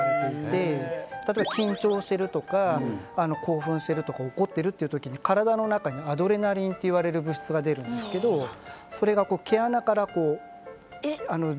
例えば緊張してるとか興奮してるとか怒ってるっていう時に体の中にアドレナリンっていわれる物質が出るんですけどそれが毛穴から蒸発するわけなんですね。